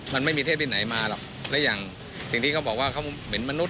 มันไม่มีเทพที่ไหนมาหรอกและอย่างสิ่งที่เขาบอกว่าเขาเป็นมนุษย